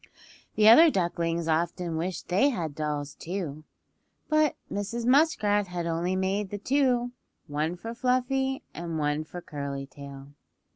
The other ducklings often wished they had dolls, too, but Mrs. Muskrat had only made the two, one for Fluffy, and one for Curly Tail.